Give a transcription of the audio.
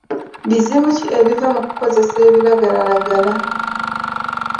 Bizibu ki ebiva mu kukozesa ebiragalalagala?